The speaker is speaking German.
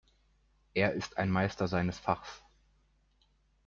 Er ist ein Meister seines Fachs.